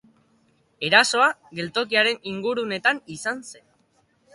Erasoa geltokiaren inguruetan izan zen.